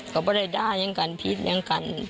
ก็บอกว่าได้ได้อย่างกันผิดอย่างกันจ้ะ